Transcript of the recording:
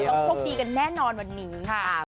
ต้องโชคดีกันแน่นอนวันนี้ค่ะ